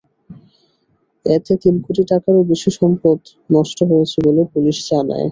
এতে তিন কোটি টাকারও বেশি সম্পদ নষ্ট হয়েছে বলে পুলিশ জানায়।